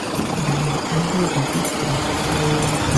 Dane abɨdo bite